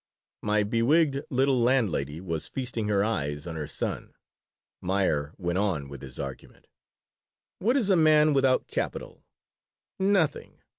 My bewigged little landlady was feasting her eyes on her son Meyer went on with his argument: "What is a man without capital? Nothing!